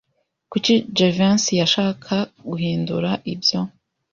Kuki Jivency yashaka guhindura ibyo?